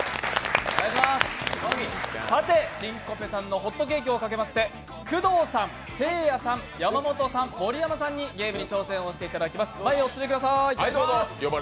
さて、しんこぺさんのホットケーキを賭けまして、工藤さん、せいやさん、山本さん、盛山さんにゲームに挑戦をしていただきます。